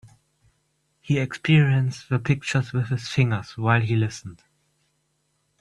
He experienced the pictures with his fingers while he listened.